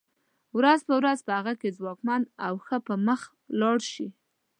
ورځ په ورځ په هغه کې ځواکمن او ښه پرمخ لاړ شي.